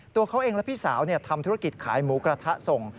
ตัวเขาเองและพี่สาวทำธุรกิจขายหมูกระทะส่ง